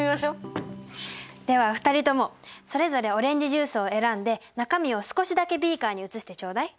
では２人ともそれぞれオレンジジュースを選んで中身を少しだけビーカーに移してちょうだい。